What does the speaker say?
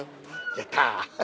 やった！